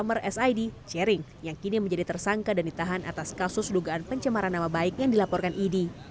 ketika penyidik menolak penanganan penahanan jaring